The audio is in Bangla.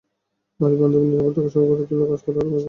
নারীবান্ধব নিরাপদ ঢাকা শহর গড়ে তুলতে কাজ করার অঙ্গীকার করছেন তাঁরা।